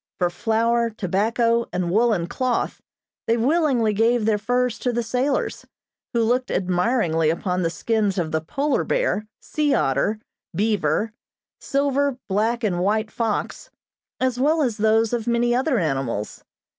For flour, tobacco and woolen cloth they willingly gave their furs to the sailors, who looked admiringly upon the skins of the polar bear, sea otter, beaver, silver, black and white fox, as well as those of many other animals.